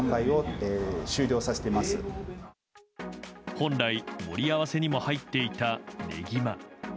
本来、盛り合わせにも入っていたねぎま。